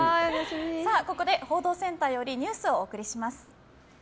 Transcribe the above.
ここで報道センターよりニュースをお送りします。